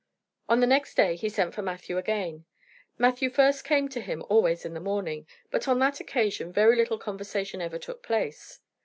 On the next day he sent for Matthew again. Matthew first came to him always in the morning, but on that occasion very little conversation ever took place.